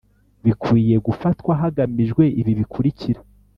bikwiriye gufatwa hagamijwe ibi bikurikira